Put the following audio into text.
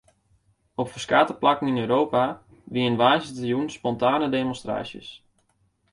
Op ferskate plakken yn Europa wiene woansdeitejûn spontane demonstraasjes.